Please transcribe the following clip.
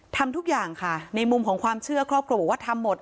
ทำทุกอย่างค่ะในมุมของความเชื่อครอบครัวบอกว่าทำหมด